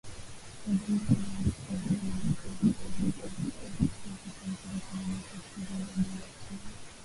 Waganda wanaoishi karibu na mpaka wa Tanzania wamekuwa wakivuka mpaka kununua petroli iliyo bei ya chini